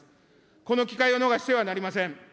この機会を逃してはなりません。